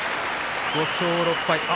５勝６敗。